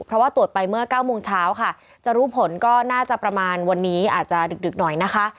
เพราะว่าตรวจไปเมื่อ๙โมงเช้าค่ะจะรู้ผลก็น่าจะประมาณวันนี้อาจจะดึกหน่อยนะคะ